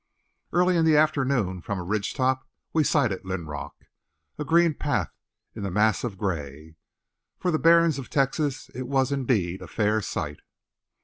Early in the afternoon from a ridgetop we sighted Linrock, a green path in the mass of gray. For the barrens of Texas it was indeed a fair sight.